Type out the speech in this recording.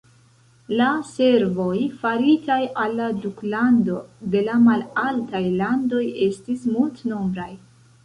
La servoj faritaj al la duklando de la Malaltaj Landoj estis multenombraj.